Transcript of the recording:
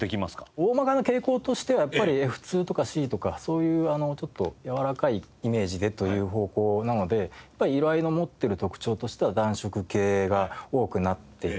大まかな傾向としてはやっぱりＦ２とかＣとかそういうちょっとやわらかいイメージでという方向なのでやっぱり色合いの持ってる特徴としては暖色系が多くなっていく。